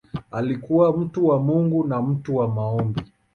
Alikuwa mtu wa Mungu na mtu wa maombi.